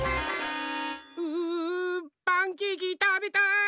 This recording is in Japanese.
うパンケーキたべたい！